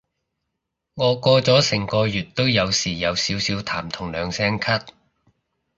我過咗成個月都有時有少少痰同兩聲咳